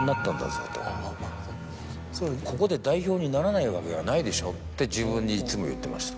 「ここで代表にならないわけがないでしょ」って自分にいつも言ってました。